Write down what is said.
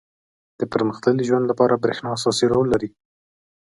• د پرمختللي ژوند لپاره برېښنا اساسي رول لري.